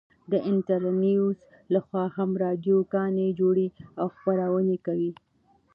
د انترنيوز لخوا هم راډيو گانې جوړې او خپرونې كوي.